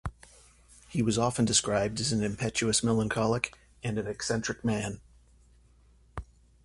He was often described as an impetuous melancholic and an eccentric man.